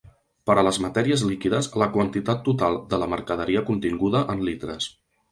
Per a les matèries líquides, la quantitat total de la mercaderia continguda en litres.